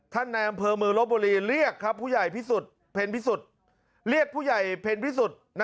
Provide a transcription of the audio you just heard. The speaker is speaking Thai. ท่านในอำเภอมือโรบบุรีเรียกครับผู้ใหญ่เพ็ญพี่สุด